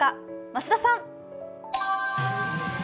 増田さん。